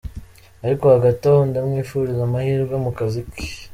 Ariko hagati aho ndamwifuriza amahirwe mu kazi ke.